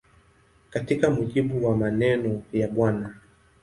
Katika mujibu wa maneno ya Bw.